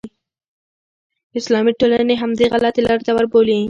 اسلامي ټولنې همدې غلطې لارې ته وربولي.